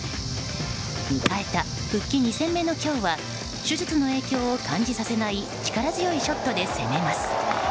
迎えた復帰２戦目の今日は手術の影響を感じさせない力強いショットで攻めます。